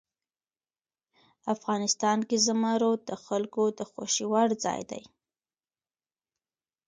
افغانستان کې زمرد د خلکو د خوښې وړ ځای دی.